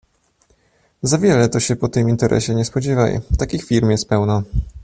Za wiele to się po tym interesie nie spodziewaj, takich firm jest pełno.